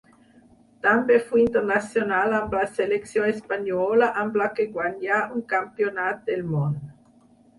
També fou internacional amb la selecció espanyola, amb la que guanyà un campionat del Món.